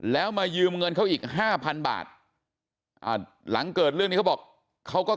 แล้วมายืมเงินเขาอีก๕๐๐บาทหลังเกิดเรื่องนี้เขาบอกเขาก็